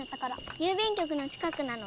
郵便局の近くなの。